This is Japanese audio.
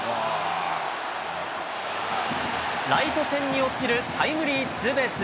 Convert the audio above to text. ライト線に落ちるタイムリーツーベース。